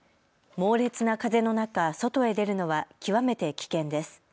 猛烈な風の中、外へ出るのは極めて危険です。